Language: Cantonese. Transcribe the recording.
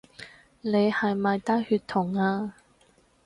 你係咪低血糖呀？